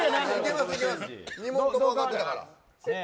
２問とも分かってたから。